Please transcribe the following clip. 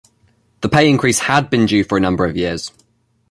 The pay increases had been due for a number of years.